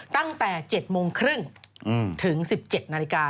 ตั้งแต่๑๗๓๐นาทีนาฬิกา